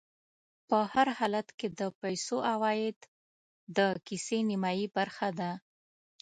په هر حالت کې د پیسو عوايد د کيسې نیمایي برخه ده